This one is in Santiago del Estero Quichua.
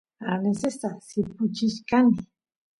arnesesta sipuchichkani